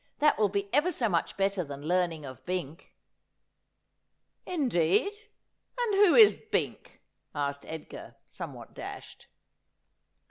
That will be ever so much better than learning of Bink.' ' Indeed ! And who is Bink ?' asked Edgar, somewhat dashed.